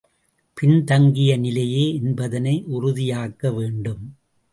பின் தங்கிய நிலையே என்பதனை உறுதியாக்க வேண்டும்.